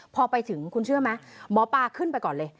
พอไปถึงคุณเชื่อไหมหมอปลาขึ้นไปก่อนเลย